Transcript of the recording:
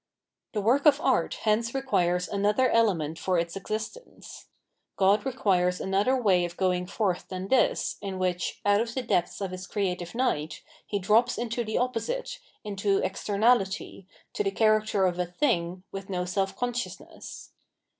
The work of art hence requires another element for its existence ; God requires another way of going forth than this, m which, out of the depths of his creative night, he drops into the opposite, into ex ternahty, to the character of a " thing " with no self consciousness.